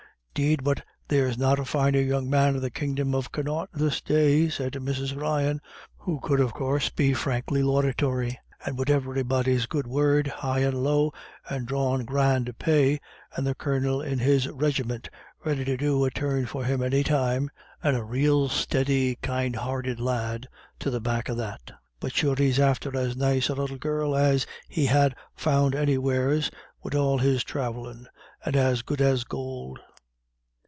"'Deed but there's not a finer young man in the kingdom of Connaught this day," said Mrs. Ryan, who could, of course, be frankly laudatory. "And wid everybody's good word, high and low, and drawin' grand pay, and the colonel in his rigimint ready to do a turn for him any time, and a rael steady kind hearted lad to the back of that. But sure he's after as nice a little girl as he'd ha' found anywheres, wid all his thravellin', and as good as gould.